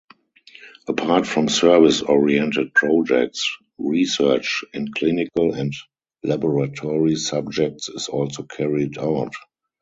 Apart from service-oriented projects, research inclinical and laboratory subjects is also carried out.